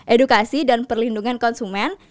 edukasi dan perlindungan konsumen